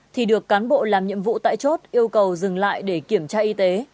thì được cán bộ làm nhiệm vụ tại chốt yêu cầu dừng lại để kiểm tra y tế